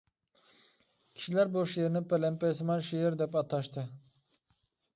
كىشىلەر بۇ شېئىرنى پەلەمپەيسىمان شېئىر دەپ ئاتاشتى.